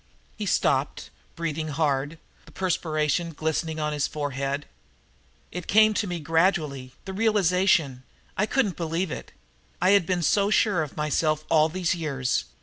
He stopped, breathing hard, the perspiration glistening on his forehead. "It came to me gradually the realization. I couldn't believe it. I had been so sure of myself all these years.